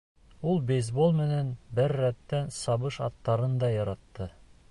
Ул бейсбол менән бер рәттән сабыш аттарын да яратты.